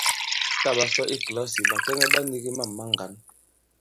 Tǎ ɓa sɔ i kìlasì, ɓàkɛŋɛ ɓa nīgī mâm ma ŋgǎn.